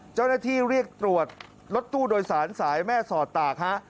เจ้าหน้าที่เรียกตรวจรถตู้โดยศาลสายแม่สอดตากฮะ